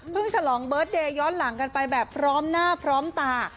ฉลองเบิร์ตเดย์ย้อนหลังกันไปแบบพร้อมหน้าพร้อมตา